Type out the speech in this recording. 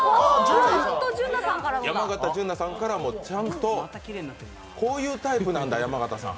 山形純菜さんからもちゃんとこういうタイプなんだ、山形さん。